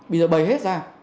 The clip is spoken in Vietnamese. bây giờ bày hết ra